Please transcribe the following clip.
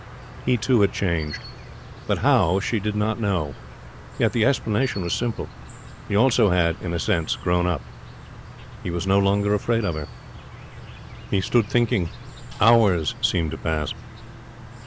He, too, had changed, but how she did not know. Yet the explanation was simple. He also had, in a sense, grown up. He was no longer afraid of her. He stood thinking. Hours seemed to pass.